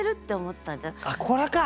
あっこれか！